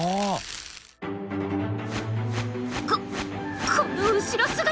ここの後ろ姿は。